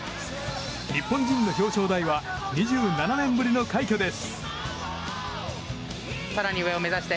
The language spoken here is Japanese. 日本人の表彰台は２７年ぶりの快挙です。